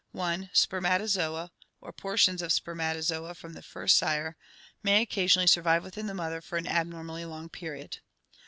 (1) Spermatozoa or portions of spermatozoa from the first sire may HEREDITY 149 occasionally survive within the mother for an abnormally long period.